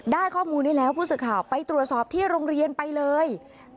ได้ข้อมูลนี้แล้วผู้สื่อข่าวไปตรวจสอบที่โรงเรียนไปเลย